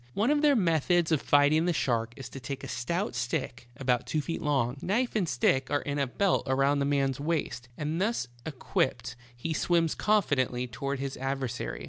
One of their methods of fighting the shark is to ^ take a stout stick about two feet long, in tion to the knife ; and stick are in V around the waist; and thus equip _ p ^ he swims confi dently toward his adversary.